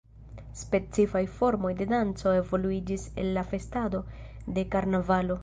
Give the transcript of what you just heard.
Specifaj formoj de danco evoluiĝis el la festado de karnavalo.